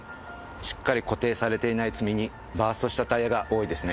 しっかり固定されていない積み荷バーストしたタイヤが多いですね。